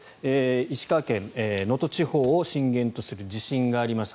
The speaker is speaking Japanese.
石川県能登地方を震源とする地震がありました。